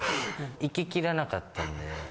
いききらなかったんで。